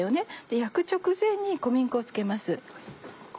焼く直前に小麦粉を付けます。